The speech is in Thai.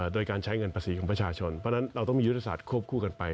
โดยการใช้เงินภาษีของประชาชนเพราะฉะนั้นเราต้องมียุทธศาสตร์ควบคู่กันไป